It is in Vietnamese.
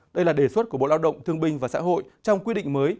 đây là đề xuất của bộ lao động thương binh và xã hội trong quy định mới